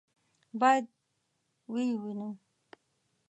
باید ویې وینو.